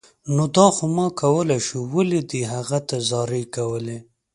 نو دا خو ما کولای شو، ولې دې هغه ته زارۍ کولې